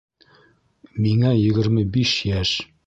Миңә егерме биш йәш